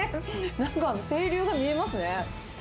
なんか清流が見えますね。